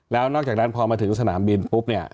แล้วนอกจากนั้นพอมาถึงสนามบินปุ๊บเนี่ย